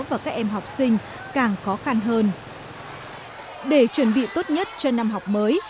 và các em học sinh càng khó khăn hơn để chuẩn bị tốt nhất cho năm học mới